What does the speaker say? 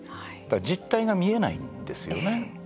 実態が見えないんですよね。